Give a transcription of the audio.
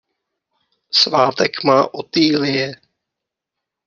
Svátek má Otýlie.